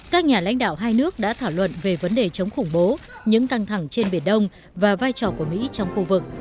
các nhà lãnh đạo hai nước đã thảo luận về vấn đề chống khủng bố những căng thẳng trên biển đông và vai trò của mỹ trong khu vực